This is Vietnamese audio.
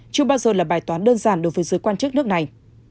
chưa bao giờ là bài toán đơn giản đối với giới quan chức nước này